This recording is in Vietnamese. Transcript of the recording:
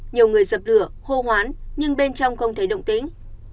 nhiều người dập lửa hô hoán nhưng bên trong không thấy động tĩnh